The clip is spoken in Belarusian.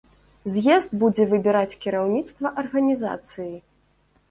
З'езд будзе выбіраць кіраўніцтва арганізацыі.